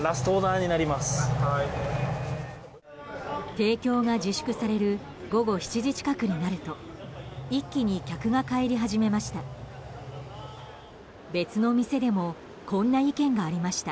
提供が自粛される午後７時近くになると一気に客が帰り始めました。